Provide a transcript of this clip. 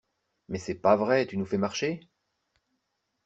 Mais c’est pas vrai… Tu nous fais marcher?